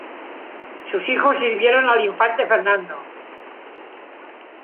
Sus hijos sirvieron al infante Fernando.